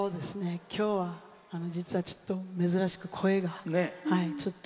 今日は実はちょっと珍しく声が、ちょっと。